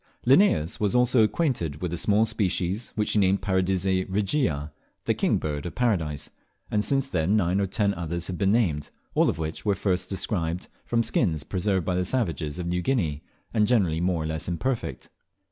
Linnaeus was also acquainted with a small species, which he named Paradisea regia (the King Bird of Paradise), and since then nine or ten others have been named, all of which were first described from skins preserved by the savages of New Guinea, and generally more or less imperfect.